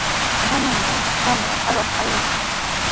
Kananqa qamman aruq aywashun.